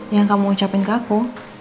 yang kamu ucapin ke aku